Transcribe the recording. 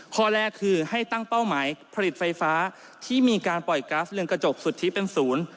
ข้อแรกคือให้ตั้งเป้าหมายผลิตไฟฟ้าที่มีการปล่อยก๊าซเรืองกระจกสุทธิเป็นศูนย์